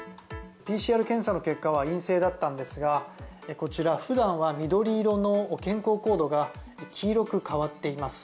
ＰＣＲ検査の結果は陰性だったんですがこちら、普段は緑色の健康コードが黄色く変わっています。